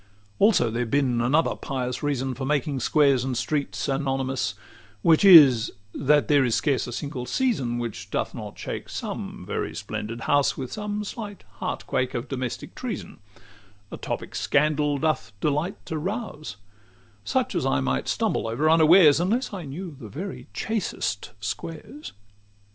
XXVI Also there bin another pious reason For making squares and streets anonymous; Which is, that there is scarce a single season Which doth not shake some very splendid house With some slight heart quake of domestic treason A topic scandal doth delight to rouse: Such I might stumble over unawares, Unless I knew the very chastest squares.